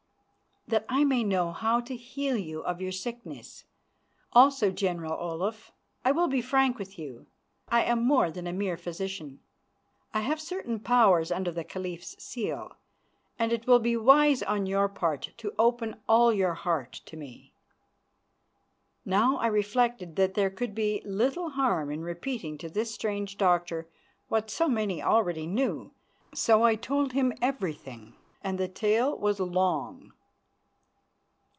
"That I may know how to heal you of your sickness. Also, General Olaf, I will be frank with you. I am more than a mere physician; I have certain powers under the Caliph's seal, and it will be wise on your part to open all your heart to me." Now I reflected that there could be little harm in repeating to this strange doctor what so many already knew. So I told him everything, and the tale was long.